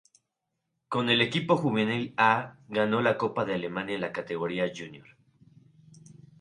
Con el equipo juvenil A, ganó la Copa de Alemania en la categoría júnior.